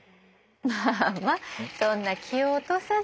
まあまあそんな気を落とさずに。